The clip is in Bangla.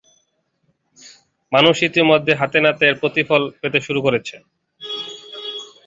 মানুষ ইতিমধ্যে হাতে নাতে এর প্রতিফল পেতে শুরু করেছে।